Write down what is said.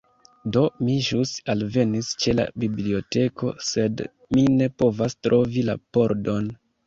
Do, mi ĵus alvenis ĉe la biblioteko sed mi ne povas trovi la pordon